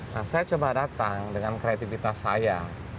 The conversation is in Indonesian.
nah saya coba datang dengan kreativitas saya